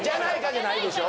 じゃないでしょ？